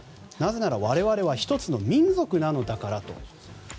なぜなら、我々は１つの民族なのだからと。